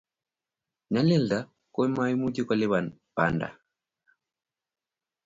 nyalilda komaimuchi kolipan panda a